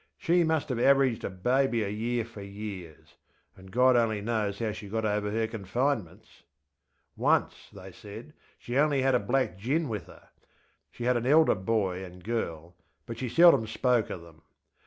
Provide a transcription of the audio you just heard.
She must have averaged a baby a year for yearsŌĆö and God only knows how she got over her confinements! Once, they said, she only had a black gin with her. She had an elder boy and girl, but she seldom spoke of them.